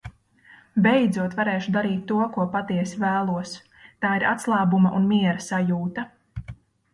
Beidzot varēšu darīt to, ko patiesi vēlos. Tā ir atslābuma un miera sajūta.